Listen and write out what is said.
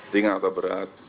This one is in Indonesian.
ringan atau berat